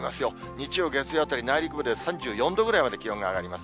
日曜、月曜あたり、内陸部で３４度ぐらいまで気温が上がります。